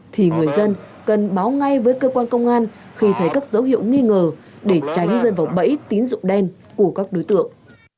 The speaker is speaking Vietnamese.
thì người dân cần báo ngay với cơ quan công an khi thấy các dấu hiệu nghi ngờ để tránh rơi vào bẫy tín dụng đen của các đối tượng